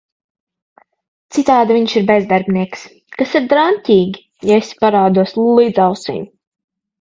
Citādi viņš ir bezdarbnieks - kas ir draņķīgi, ja esi parādos līdz ausīm…